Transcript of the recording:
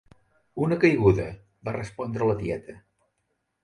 Una caiguda –va respondre la tieta.